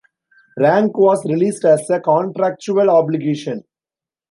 "Rank" was released as a contractual obligation.